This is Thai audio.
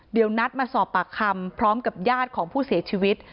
เดี๋ยวนัดมาสอบปากคำพร้อมกับญาติของผู้เสียชีวิต